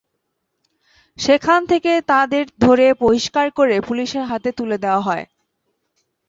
সেখান থেকে তাঁদের ধরে বহিষ্কার করে পুলিশের হাতে তুলে দেওয়া হয়।